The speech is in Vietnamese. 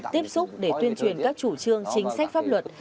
tiếp xúc để tuyên truyền các chủ trương chính sách pháp luật